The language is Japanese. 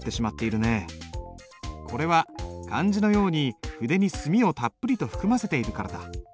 これは漢字のように筆に墨をたっぷりと含ませているからだ。